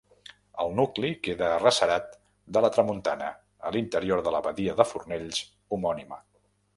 El nucli queda arrecerat de la tramuntana a l'interior de la badia de Fornells homònima.